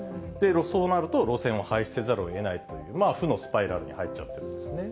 そうなると、路線を廃止せざるをえないという、負のスパイラルに入っちゃってるんですね。